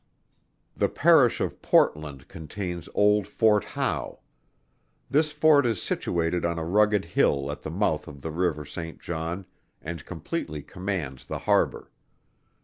The Parish of Portland contains old Fort Howe. This Fort is situated on a rugged hill at the mouth of the river Saint John, and completely commands the harbour.